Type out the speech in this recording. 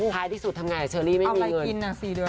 ท้ายที่สุดทำอย่างไรเชอร์รี่ไม่มีเงินเอาอะไรกินน่ะ๔เดือน